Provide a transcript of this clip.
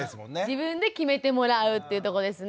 自分で決めてもらうっていうとこですね。